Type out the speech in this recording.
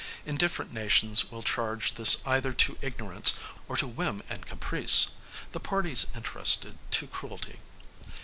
Indifferent nations will charge this either to ignorance, or to whim and caprice; the parties interested, to cruelty.